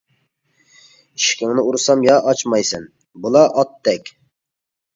ئىشىكىڭنى ئۇرسام يا ئاچمايسەن، بولە ئاتتەك!